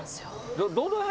どの辺？